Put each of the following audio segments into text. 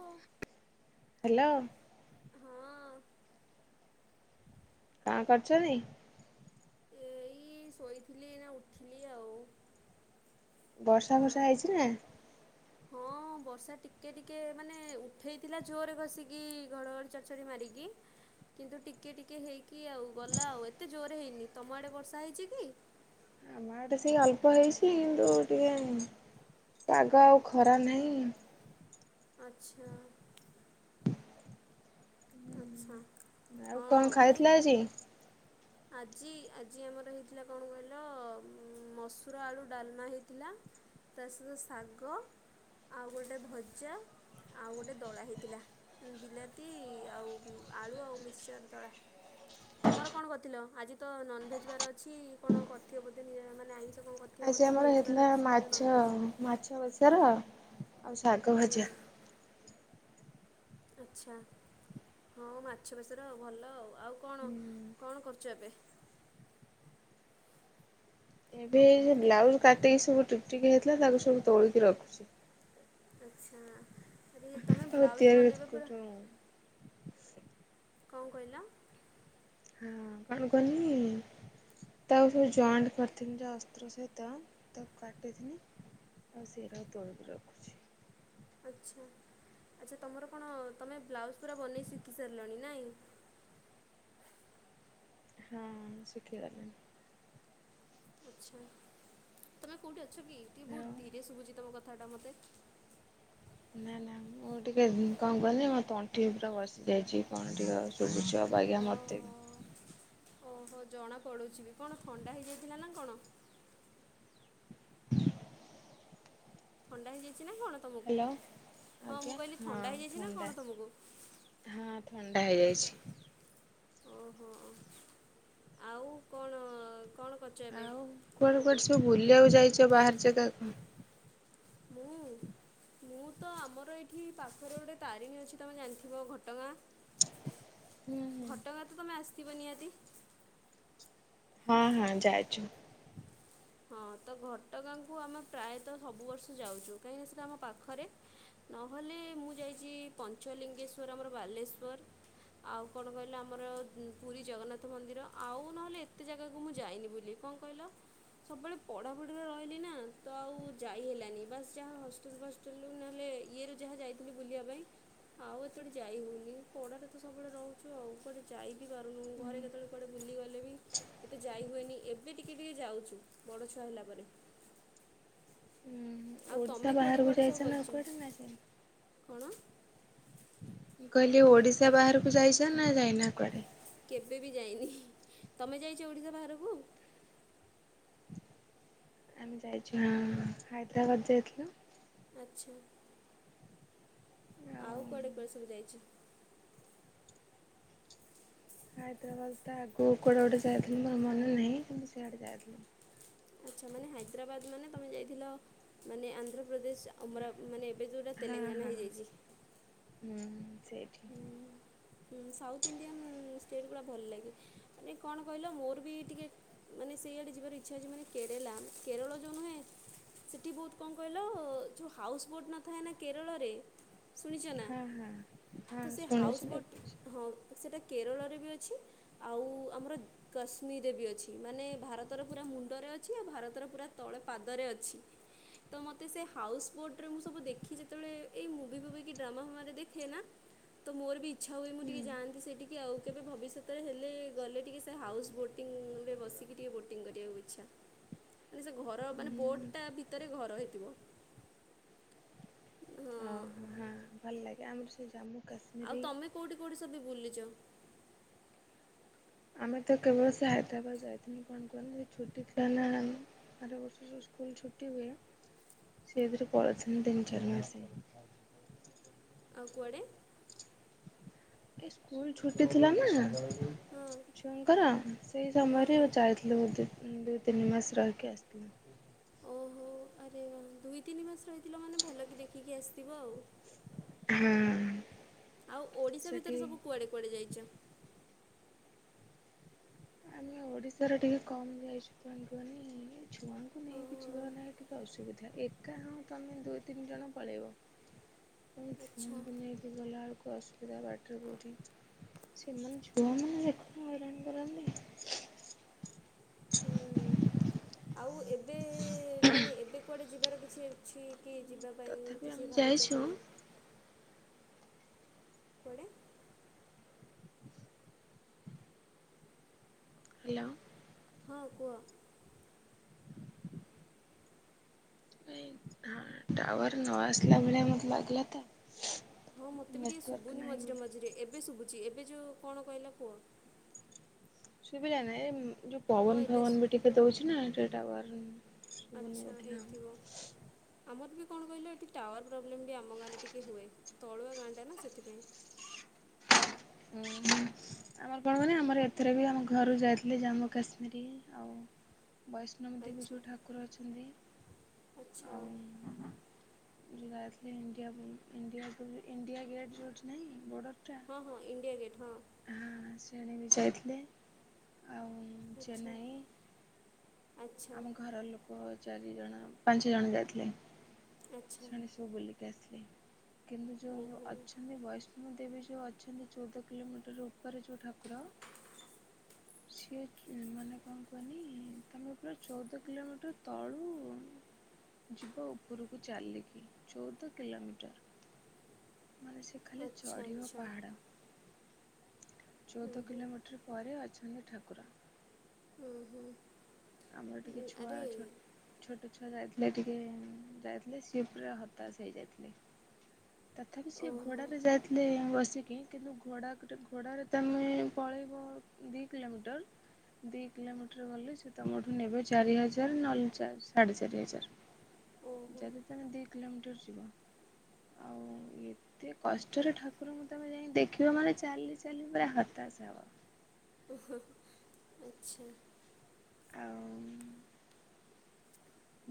ହଁ। ହ୍ୟାଲୋ। ହଁ କଣ କରୁଛନ୍ତି? ଏଇ ଶୋଇଥିଲି ଏଇନା ଉଠିଲି ଆଉ। ବର୍ଷା ହଁ। ବର୍ଷା ହେଇଛି ନା? [inaudible] ହଁ ବର୍ଷା ଟିକେ ଟିକେ ମାନେ ଉଠେଇଥିଲା ଜୋରରେ ଘଷିକି ଘଡ଼ଘଡ଼ି ଚଡ଼ଚଡ଼ି ମାରିକି। କିନ୍ତୁ ଟିକେ ଟିକେ ହେଇକି ଆଉ ଗଲା ଆଉ ଏତେ ଜୋରରେ ହେଇନି। ତମ ଆଡ଼େ ବର୍ଷା ହେଇଛି କି? ଆମ ଆଡେ ସେଇ ଅଳ୍ପ ହେଇଛି କିନ୍ତୁ ଟିକେ ପାଗ ଆଉ ଖରା ନାହିଁ। ଆଚ୍ଛା। ଆଚ୍ଛା ଆଉ ହଁ କଣ ନାଇଁ ଖାଇଥିଲ ଆଜି? ଆଜି ଆଜି ଆମର ହେଇଥିଲା କଣ କହିଲ ମସୁର ଆଳୁ ଡାଲମା ହେଇଥିଲା। ତା ସହିତ ଶାଗ ଆଉ ଗୋଟେ ଭଜା ଆଉ ଗୋଟେ ଦଳା ହେଇଥିଲା ବିଲାତି ଆଉ ଆଳୁ ଆଉ ମିକ୍ସଚର ଦଳା ତମର କଣ କ ଥିଲ ଆଜି ତ ନନଭେଜ୍ ବାର ଅଛି କଣ କରିଥିବ ବୋଧେ ନିରା ମାନେ ଆଇଁଷ କଣ କରି ଆଜି ଆମର ହେଇଥିଲା ମାଛ ମାଛ ବେସର ଆଉ ଶାଗ ହୁଁ ଭଜା ଆଚ୍ଛା। ହଁ ମାଛ ବେସର ଭଲ ଆଉ ଆଉ କଣ ହୁଁ କଣ କରୁଚ ଏବେ? ଏବେ ସେବ୍ଲାଉଜ୍ କାଟିକି ସବୁ ଟିକ୍ ଟିକ୍ ହେଇଥିଲା ତାକୁ ସବୁ ତୋଳିକି ରଖୁଚି। ଆଚ୍ଛା ଆରେ ତମେ ତାକୁ ବ୍ଲାଉଜ୍ ତିଆରି ବନେଇବା ପରା ହଁ କଁ କହିଲ? ହଁ କଣ କଅନି ତାକୁ ସବୁ ଜଏଣ୍ଟ କରିଥିଲି ସେ ଅସ୍ତ୍ର ସହିତ ତାକୁ କାଟିଥିନି ଆଉ ସେଇରାକୁ ତୋଳିକି ରଖୁଚି। ଆଚ୍ଛା ଆଚ୍ଛା ତମର କଣ ତମେ ବ୍ଲାଉଜ୍ ପୁରା ବନେଇ ଶିଖି ସାରିଲଣି ନାଇଁ? ହଁ ଶିଖିଗଲିଣି। ଆଚ୍ଛା ତମେ କେଉଁଠି ଅଛକି ଟିକିଏ ବହୁତ୍ ଆଉ ଧୀରେ ଶୁବୁଚି ତୁମ କଥାଟା ମୋତେ? ନା ନା ମୁଁ ଟିକେ କଁ କୁଅନି ମୋ ତଣ୍ଠି ପୁରା ବସିଯାଇଚି କଣ ଟିକେ ଶୁବୁଚି ଅବାଜ୍ଞା ମତେବି। ଓ ଓହୋ ଜଣାପଡ଼ୁଚିବି କଣ ଥଣ୍ଡା ହେଇଯାଇଥିଲା ନା କଣ? ଥଣ୍ଡା ହେଇଯାଇଚିନା କଣ ତମକୁ ହ୍ୟାଲୋ ହଁ ଆଜ୍ଞା ମୁଁ କହିଲି ହଁ ଥଣ୍ଡା ହେଇଯାଇଚିନା ଥଣ୍ଡା କଣ ତମକୁ? ହଁ ଥଣ୍ଡା ହେଇଯାଇଛି। ଓହୋ ଆଉ କଣ କଣ କରୁଚ ଏବେ? ଆଉ କୁଆଡ଼େ କୁଆଡ଼େ ସବୁ ବୁଲିବାକୁ ଯାଇଚ ବାହାରେ ଜେଗାକୁ? ମୁଁ? ମୁଁତ ଆମର ଏଇଠି ପାଖରେ ଗୋଟେ ତାରିଣୀ ଅଛି ତମେ ଜାଣିଥିବ ଘଟଗାଁ? ହୁଁ ହୁଁ। ଘଟଗାଁତ ତମେ ଆସିଥିବ ନିହାତି? ହଁ ହଁ ଯାଇଚୁ। ହଁ ତଘଟଗାଁକୁ ଆମେ ପ୍ରାୟତଃ ସବୁ ବର୍ଷ ଯାଉଚୁ କାହିଁକିନା ସେଇଟା ଆମ ପାଖରେ ନହେଲେ ମୁଁ ଯାଇଚି ପଞ୍ଚଲିଙ୍ଗେଶ୍ଵର ଆମର ବାଲେଶ୍ଵର ଆଉ କଣ କହିଲ ଆମର ପୁରୀ ଜଗନ୍ନାଥ ମନ୍ଦିର ଆଉ ନହେଲେ ଏତେ ଜାଗାକୁ ମୁଁ ଯାଇନି ବୁଲି। କଁ କଇଁଲ? ସବୁବେଳେ ପଢ଼ାପଢ଼ିରେ ରହିଲିନା ତଆଉ ଯାଇ ହେଲାନି ବାସ୍ ଯାହା ହଷ୍ଟେଲ୍ ବାସ୍ ଲୁ ନହେଲେ ଇଏରୁ ଯାହା ଯାଇଥିଲି ବୁଲିବା ପାଇଁ ଆଉ ଏତେଟି ଯାଇ ହଉନି ପଢ଼ାରେତ ସବୁବେଳେ ରହୁଚୁ ଆଉ କୁଆଡ଼େ ଯାଇବିି ପାରୁନୁ ଘରେ କେତେବେଳେ କୁଆଡ଼େ ବୁଲିଗଲେବି ଏତେ ଯାଇହୁଏନି ଏବେ ଟିକେ ଟିକିଏ ଯାଉଚୁ। ବଡ଼ ଛୁଆ ହେଲା ପରେ। ଆଉ ହୁଁ ତମେ ଓଡିଶା କୁଆଡ଼େ ବାହାରକୁ କୁଆଡ଼େ ସବୁ ଯାଇଚନା ବୁଲିଛ କୁଆଡ଼େ ନାଁ ଜାଇନ? କଣ? ମୁଁ କହିଲି ଓଡ଼ିଶା ବାହାରକୁ ଯାଇଚନା ନାଯାଇନା କୁଆଡ଼େ? କେବେବି ଯାଇନି ତମେ ଯାଇଚ ଓଡ଼ିଶା ବାହାରକୁ? ଆମେ ଯାଇଚୁ ହଁ ହାଇଦ୍ରାବାଦ୍ ଯାଇଥିଲୁ ଆଚ୍ଛା ଆଉ କୁଆଡ଼େ କୁଆଡ଼େ ସବୁ ଯାଇଚ? ହାଇଦ୍ରାବାଦ୍ ତାଆଗକୁ କୁଆଡ଼େ ଗୋଟେ ଯାଇଥିଲୁ ମୋର ମନେ ନାହିଁ କିନ୍ତୁ ସେଆଡ଼େ ଯାଇଥିଲୁ। ଆଚ୍ଛା ମାନେ ହାଇଦ୍ରାବାଦ୍ ମାନେ ତମେ ଯାଇଥିଲ ମାନେ ଆନ୍ଧ୍ରପ୍ରଦେଶ ଆ ଆମରା ମାନେ ଏବେ ଯେଉଁଟା ହଁ ତେଲେଙ୍ଗାନା ହଁ ହେଇଯାଇଚି। ହୁଁ ସେଇଠି। ହୁଁ ସାଉଥ୍ ଇଣ୍ଡିଆନ୍ ଷ୍ଟେଟ୍ ଗୁଡ଼ା ଭଲ ଲାଗେ। ମାନେ କଣ କହିଲ ମୋରବି ଟିକେ ମାନେ ସେଇଆଡ଼େ ଯିବାର ଇଚ୍ଛା ଅଛି ମାନେ କେରଳା କେରଳ ଯୋଉ ନୁହେଁ ସେଠି ବହୁତ୍ କଁ କହିଲ ଯେଉଁ ହାଉସ୍ ବୋଟ୍ ନଥାଏନା କେରଳରେ ଶୁଣିଛ ନା ହଁ ହଁ। ହଁ ତ ସେ ହାଉସ୍ ଶୁଣିଛି ବୋଟ୍ ଦେଖିଛି। ହଁ ସେଇଟା କେରଳରେ ବି ଅଛି ଆଉ ଆମର କାଶ୍ମୀମିରେ ବି ଅଛି ମାନେ ଭାରତର ପୁରା ମୁଣ୍ଡରେ ଅଛି ଆଉ ଭାରତର ପୁରା ତଳେ ପାଦରେ ଅଛି। ତ ମତେ ସେ ହାଉସ ବୋଟ୍ ରେ ମୁଁ ସବୁ ଦେଖି ଯେତେବେଳେ ଏଇ ମୁଭି ଫୁଭି କି ଡ୍ରାମା ଫ୍ରାମରେ ଦେଖେ ନା ତ ମୋର ବି ଇଚ୍ଛା ହୁଏ ମୁ ହୁଁ ଟିକେ ଯାଆନ୍ତି ସେଠି। କି ଆଉ କେବେ ଭବିଷ୍ୟତରେ ହେଲେ ଗଲେ ଟିକେ ସେ ହାଉସ୍ ବୋଟିଂରେ ବସିକି ଟିକେ ବୋଟିଂ କରିବାକୁ ଇଚ୍ଛା। ମାନେ ସେ ଘର ମାନେ ହୁଁ ବୋର୍ଟଟା ଭିତରେ ଘର ହେଇଥିବ। ହଁ ଆଉ ମୁହାଁ ଭଲ ଲାଗେ ଆମର ସେ ଜାମୁ ଆଉ ତମେ କୋଉଠି କୋଉଠି ସବି ବୁଲିଚ? ଆମେ ତ କେବଳ ସେ ହାଇଦ୍ରାବାଦ ଯାଇଥିଲୁ କଣ କୁହନି ଛୁଟି ଥିଲା ନାଁ ଆ ଆର ବର୍ଷ କୁ ସ୍କୁଲ୍ ଛୁଟି ହୁଏ ସେଇଥିରେ ପଳେଇଥିଲୁ ତିନ, ଚାରି ମାସେ। ଆଉ କୁଆଡ଼େ? ଏ ସ୍କୁଲ୍ ଛୁଟି ଥିଲା ନା ହଁ ଛୁଆଙ୍କର ସେଇ ହଁ ସମୟରେ ହଁ ଯାଇଥିଲୁ ବୋଧେ। ଦୁଇ, ତିନି ମାସେ ରହିକି ଆସିଥିନୁ। ଓହୋ ଆରେ ଦୁଇ, ତିନି ମାସ ରହିଥିଲ ମାନେ ଭଲକି ଦେଖିକି ଆସିଥିବ ଆଉ। ହଁ ଆଉ ଓଡିଶା ସେଠି ଭିତରେ ସବୁ କୁଆଡେ କୁଆଡେ ଯାଇଚ? ଆମେ ଓଡିଶାରେ ଟିକେ କମ୍ ଯାଇଚୁ କାଇଁ କୁହନି ଛୁଆଙ୍କୁ ନେଇକି ଓହୋ ଛୁଆ ମାନେ ଟିକେ ଅସୁବିଧା ଏକା ହଁ ତମେ ଦୁଇ, ତିନି ଜଣ ପଳେଇବ। ଆଉ ଆଚ୍ଛା। ଛୁଆଙ୍କୁ ନେଇକି ଗଲା ବେଳକୁ ଅସୁବିଧା ବାଟରେ କୋଉଠି ସେମାନେ ଛୁଆମାନଙ୍କୁ ଦେଖିକି ହଇରାଣ କରନ୍ତି। ହୁଁ। ଆଉ ଏବେ ମାନେ ଏବେ କୁଆଡ଼େ ଯିବାର କିଛି ଅଛି କି ଯିବା ପାଇଁ ତଥାପି କିଛି ଆମେ ଭାବୁଚ ଯାଇଛୁ କୁଆଡେ? କୁଆଡେ? ହ୍ୟାଲୋ। ହଁ କୁଅ। ଏଇ ହଁ ଟାୱାର ନ ଆସିଲା ଭଳିଆ ମତେ ଲାଗିଲାତ। ହଁ ମୋତେ ବି ଟିକେ ଶୁବୁନି ମଝିରେ ମଝିରେ ଏବେ ଶୁବୁଚି ଏବେ ଯୋଉ କଣ କଇଲ କୁଅ। ଶୁବିଲା ନାଇଁ ଏ ଯୋଉ ହଁ ପବନ ଏବେ ଫବନ ଶୁ- ବି ଟିକେ ଦଉଚି ନା ଟିକେ ଟାୱାର ଶୁଭୁନି ଆଚ୍ଛା ବୋଧେ ଆଉ ହେଇଥିବ। ଆମର ବି କଣ କଇଲେ ଏଠି ଟାୱାର ପ୍ରୋବ୍ଲେମ୍ ବି ଆମ ଗାଁରେ ଟିକେ ହୁଏ ତଳୁଆ ଗାଁଟା ନା ସେଥିପାଇଁ। ଉଁ ହୁଁ। ଆମର କଣ କଇଲେ ଆମର ଏଥିରେ ବି ଆମ ଘରୁ ଯାଇଥିଲି ଜାମ୍ମୁ କାଶ୍ମୀର୍ ଆଉ ବୈଷ୍ଣବୀ ଦେବୀ ଆଚ୍ଛା। ଯୋଉ ଠାକୁର ଅଛନ୍ତି। ଆଚ୍ଛା ଆଉ ଯାଇଥିଲି ଇଣ୍ଡିଆ ବୁ ଇଣ୍ଡିଆ ବୁଲି ଇଣ୍ଡିଆ ଗେଟ୍ ଯୋଉଠି ନାହିଁ ବୋର୍ଡର ଟା ହଁ ହଁ ଇଣ୍ଡିଆ ଗେଟ୍ ହଁ। ହଁ ସେଆଡ଼େ ବି ଯାଇଥିଲେ ଆଉ ଆଚ୍ଛା ଚେନ୍ନାଇ। ଆଚ୍ଛା ଆମ ଘର ଲୋକ ଚାରି ଜଣ, ପାଞ୍ଚ ଜଣ ଯାଇଥିଲେ। ଆଚ୍ଛା ସବୁ ବୁଲିକି ଆସିଲି କିନ୍ତୁ ଯୋଉ ଯୋଉ ଓହୋ ଅଛନ୍ତି ବୈ ହୁଁ ଦେବୀ ଯୋଉ ଅଛନ୍ତି ଚଉଦ କିଲୋମିଟର ଉପରେ ଯୋଉ ଠାକୁର ସିଏ ମାନେ କଣ କୁହନି ତମେ ଚଉଦ କିଲୋମିଟର ତଳୁ ଯିବ ଉପରକୁ ଚାଲିକି ଚଉଦ କିଲୋମିଟର ମାନେ ସେ ଖାଲି ଆଚ୍ଛା ଚଢ଼ିବ ଆଚ୍ଛା ପାହାଡ଼। ହୁଁ ଚଉଦ ହୁଁ କିଲୋମିଟର ପରେ ଅଛନ୍ତି ଠାକୁର। ହୁଁ ହୁଁ। ଆମର ଟିକେ ଛୁଆ ଆରେ ଅଛନ୍ତି। ଛୋଟ ଛୁଆ ଯାଇଥିଲେ ଟିକେ ଯାଇଥିଲେ ସିଏ ପୁରା ହତାଶ ହେଇଯାଇଥିଲେ। ତଥାପି ସିଏ ଓହୋ ଘୋଡ଼ାରେ ଯା ରେ ବସିକି କିନ୍ତୁ ଘୋଡ଼ା କରେ ଘୋଡ଼ାରେ ତ ଆମେ ପଳେଇବ ଦିଇ କିଲୋମିଟର ଦିଇ କିଲୋମିଟର ଗଲେ ସେ ତମଠୁ ନେବେ ଚାରି ହଜାର ନଏଲେ ଚା ସାଢ଼େ ଚାରି ହଜାର। ଓହୋ ଯଦି ତମେ ଦି କିଲୋମିଟର ଯିବ ଆଉ ଇଏ ଏତେ କଷ୍ଟରେ ଠାକୁରଙ୍କୁ ତମେ ଯାଇଁ ଦେଖିବ ମାନେ ଚାଲି ଚାଲି ପୁରା ହତାଶ ହବ। ଓହୋ ଆଚ୍ଛା। ଆଉ।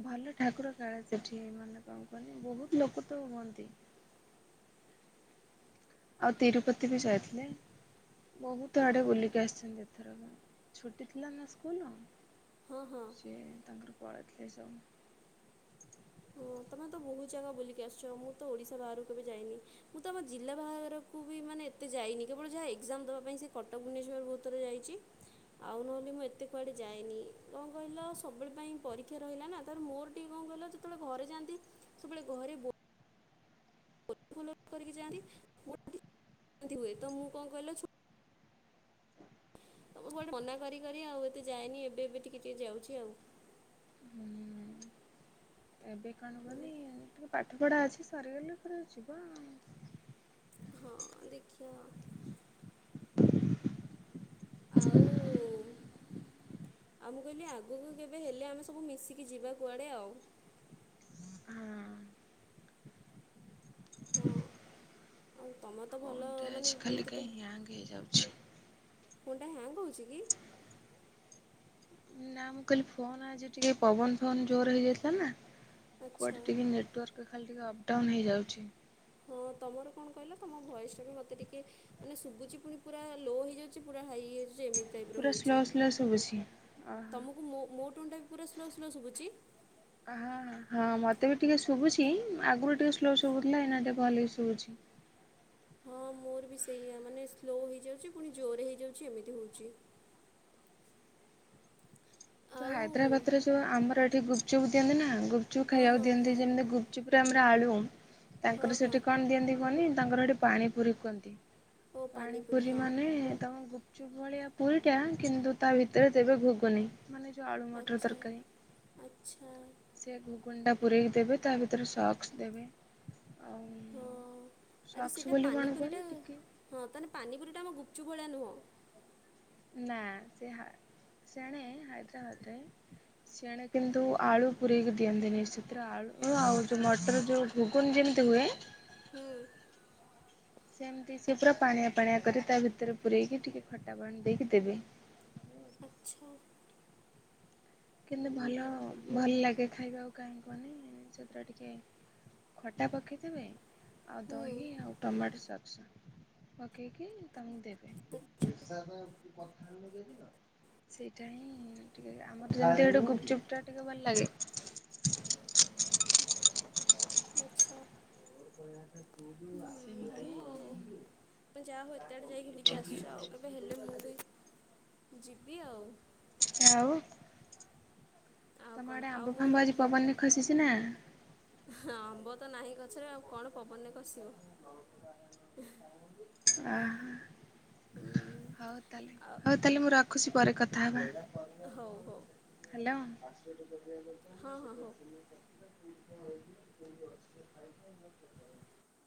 ଭଲ ଠାକୁର କାଳେ ସେଠି ମାନେ କଣ କୁହନି ବହୁତ ଲୋକ ତ ହୁଅନ୍ତି। ଆଉ ତିରୁପତି ବି ଯାଇଥିଲେ ବହୁତ ଓ ଆଡ଼େ ବୁଲିକି ଆସିଚନ୍ତି ଏଥରକ। ଛୁଟି ଥିଲା ନା ସ୍କୁଲୁ। ହଁ ହଁ। ଇଏ ତାଙ୍କର ପଳେଇଥିଲେ [unintelligible] ତୁମେ ତ [inaudible] ବହୁତ ଜାଗା ବୁଲିକି ଆସିଚ ମୁଁ ତ ଓଡ଼ିଶା ବାହାର କୁ କେବେ ଯାଇନି। ମୁଁ ତ ଆମ ଜିଲ୍ଲା ବାହାରକୁ ବି ମାନେ ଏତେ ଯାଇନି କେବଳ ଯାହା ଏକ୍ଜାମ ଦେବା ପାଇଁ ସେ କଟକ ଭୁବନେଶ୍ଵର ବହୁତ [unintelligible] ଯାଇଚି। ଆଉ ନହେଲେ ମୁଁ ଏତେ କୁଆଡ଼େ ଯାଇନି କଣ କହିଲ ସବୁବେଳେ ପାଇଁ ପରୀକ୍ଷା ରହିଲା ନା ଧର ମୋର ଟି କଣ କହିଲ ଯେତେବେଳେ ଘରେ ଯାଆନ୍ତି ସବୁବେଳେ ଘରେ ବୋ [unintelligible] କରିକି ଯାଆନ୍ତି [unintelligible] ତ ମୁଁ କଣ କହିଲେ ଛୁ ଆ ମୁଁ କୁଆଡେ ମନା କରି କରି ଆଉ ଏତେ ଯାଏନି ଏବେ ଏବେ ଟିକେ ଟିକେ ଯାଉଚି ଆଉ। ହୁଁ ଏବେ କଣ [unintelligible] ଟିକେ ପାଠ ପଢା ଅଛି ସରିଗଲେ ପରେ ଯିବ ଆଉ। ହଁ ଦେଖିଆ ଆଉ। [inaudible] ହୁଁ ଆଉ ମୁଁ କଇଲି ଆଗକୁ କେବେ ହେଲେ ଆମେ ସବୁ ମିଶିକି ଯିବା କୁଆଡ଼େ ଆଉ। ହଁ ହଁ ଆଉ ତମ ତ ଭଲ ଫୋନଟା ମାନେ ଆଜିକାଲି କେତେ କାହିଁ ହ୍ୟାଙ୍ଗ୍ ହେଇଯାଉଛି। ଫୋନ୍ ଟା ହ୍ୟାଙ୍ଗ୍ ହୋଉଚି କି? ନା ମୁଁ କହିଲି ଫୋନ ଆଜି ଟିକେ ପବନ ଫବନ ଜୋରେ ହେଇଯାଇଥିଲା ନା। ଆଚ୍ଛା କୁଆଡେ ଟିକେ ନେଟୱାର୍କ ଖାଲି ଟିକେ ଅପଡାଉନ ହେଇଯାଉଚି। ହଁ ତମର କଣ କହିଲ ତମ ଭୟସଟା ବି ମୋତେ ଟିକେ ମାନେ ଶୁବୁଛି ପୁଣି ପୁରା ଲୋ ହେଇଯାଉଚି ପୁରା ହାଇ ହେଇଯାଉଚି ଯେ ଏମିତି ଟାଇପ୍ ର ପୁରା ହୋଉଚି ସ୍ଲୋ ସ୍ଲୋ ଶୁଭୁଛି ଓହୋ ତମକୁ ମୋ ମୋ ଟୋନ ଟା ବି ପୁରା ସ୍ଲୋ ସ୍ଲୋ ଶୁବୁଚି? ଆହା ହା ମତେ ବି ଟିକେ ଶୁବୁଚି ଆଗରୁ ଟିକେ ସ୍ଲୋ ଶୁଭୁଥିଲା ଏଇନା ଟିକେ ଭଲ କି ଶୁବୁଚି। ହଁ ମୋର ବି ସେଇଆ ମାନେ ସ୍ଲୋ ହେଇଯାଉଚି ପୁଣି ଜୋରେ ହେଇଯାଉଚି ଏମିତି ହଉଚି। ଯୋଉ ଆଉ ହାଇଦ୍ରାବାଦରେ ଯୋଉ ଆମର ଏଠି ଗୁପଚୁପ ଦିଅନ୍ତି ନା ଗୁପଚୁପ ହଁ ଖାଇବାକୁ ହଁ ଦିଅନ୍ତି ହଁ ଯେମିତି ଗୁ ଚୁପ୍ ରେ ଆମର ଆଳୁ ହଁ ତାଙ୍କର ହଁ ସେଠି କଣ ଦିଅନ୍ତି କୁହନି ତାଙ୍କର ସେଠି ପାଣି ପୁରୀ କୁହନ୍ତି। ଓ ପାନିପୁରୀ ପାଣିପୁରୀ ହଁ ମାନେ ତମ ଗୁପ୍ ଚୁପ ଭଳିଆ ପୁରୀଟା କିନ୍ତୁ ତା ଭିତରେ ଦେବେ ଘୁଗୁନି। ମାନେ ଯୋଉ ଆଳୁ ମଟର ଆଚ୍ଛା ତରକାରୀ। ଆଚ୍ଛା ସେ ଘୁଗୁନି ଟା ପୂରେଇକି ଦେବେ ତା ଭିତରେ ସକ୍ସ ଦେବେ। ଆଉ ହଁ ଆରେ ସେଇଟା ସକ୍ସ ବୋଲି କଣ ପାନିପୁରୀଟା କୁହନି ଟିକେ ହଁ ତାହେନେ ପାନି ପୁରିଟା ଆମ ଗୁପଚୁପ ଭଳିଆ ନୁହଁ? ନା ସେ ହା ସେଣେ ହାଇଦ୍ରାବାଦରେ ଣେ କିନ୍ତୁ ଆଳୁ ପୁରେଇକି ଦିଅନ୍ତିନି ସେଥିରେ ଆଳୁ ଆଉ ଯୋଉ ମଟର ଯୋଉ ଘୁଗୁନ ଯେମିତି ହୁଏ ହୁଁ। ସେମିତି ସେ ପୁରା ପାଣିଆ ପାଣିଆ କରି ତା ଭିତରେ ପୂରେଇକି ଟିକେ ଖଟା ପାଣି ଦେଇକି ଦେବେ। ଛା। କିନ୍ତୁ ଭଲ ଭଲ ଲାଗେ ଖାଇବାକୁ କାହିଁ କୁହନି ସେଥିରେ ଟିକେ ଖଟା ପକେଇଥିବେ ଆଉ ହୁଁ ଦହିି ଆଉ ଟମାଟୋ ସକ୍ସ ପକେଇକି ତମକୁ ଆଚ୍ଛା ଦେବ ସେଇଟା ହଁ ଟିକେ ଆମର ଯେମିତି ହେଇଠୁ ଗୁପଚୁପ୍ ଟା ଟିକେ ଭଲ ଲାଗେ। [unintelligible] ଆଚ୍ଛା। ସେମିତି ମେ ଯାହା ହଉ ଏତେ ଆଡେ ଯାଇକି ବୁଲିକି ଆସିଛ ଆଉ ଏଠି କେବେ ହେଲେ ମୁଁ ବି ଯିବି ଆଉ। ଆଉ ଆଉ ତମ କଣ ଆଡେ ଆଉ ଆମ୍ବ ମୋର ଫାମ୍ବ ଆଜି ମୋ ପବନରେ ଖସିଛି ନା? ହଁ ଆମ୍ବ ତ ନାହିଁ ଗଛରେ ଆଉ କଣ ପବନରେ ଖସିବ। ଆ ହୁଁ। ହଉ ତାହେଲେ ହଉ ତାହେଲେ ମୁଁ ରଖୁଛି ପରେ କଥା ହବା। ହଉ ହଉ। ହ୍ୟାଲୋ। ହଁ ହଁ ହୋଉ।